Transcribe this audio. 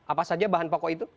apa saja bahan pokok itu